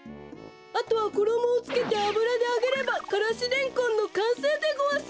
あとはころもをつけてあぶらであげればからしレンコンのかんせいでごわす！